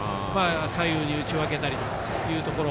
左右に打ち分けたりというところ。